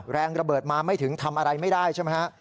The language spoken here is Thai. แรงระเบิดมาไม่ถึงทำอะไรไม่ได้ใช่ไหมฮะ